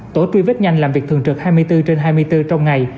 tổ truy vết nhanh làm việc thường trực hai mươi bốn trên hai mươi bốn trong ngày